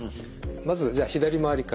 まずじゃあ左回りから。